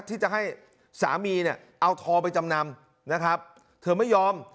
ที่จะให้สามีเนี่ยเอาทองไปจำนำนะครับเธอไม่ยอม